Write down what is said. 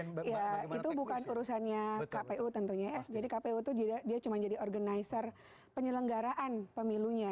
ya itu bukan urusannya kpu tentunya ya jadi kpu itu dia cuma jadi organizer penyelenggaraan pemilunya